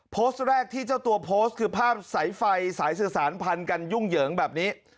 โพสต์แรกที่เจ้าตัวโพสต์คือภาพสายไฟสายสื่อสารพันกันยุ่งเหยิงแบบนี้